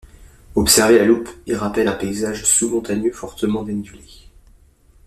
Observés à la loupe, ils rappellent un paysage sous-montagneux fortement dénivelé.